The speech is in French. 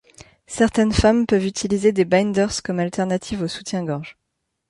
Certaines femmes peuvent utiliser des binders comme alternative aux soutiens-gorge.